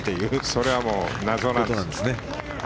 それはもう、謎なんです。